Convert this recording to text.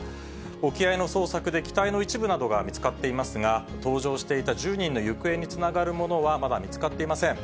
沖合の捜索で機体の一部などが見つかっていますが、搭乗していた１０人の行方につながるものはまだ見つかっていません。